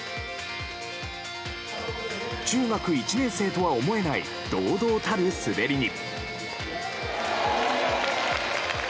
中学１年生とは思えない堂々たる滑りに。